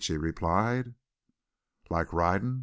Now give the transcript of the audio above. she replied. "Like ridin'?"